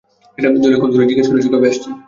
Jolie call করেছে, জিজ্ঞেস করেছে কবে আসছি।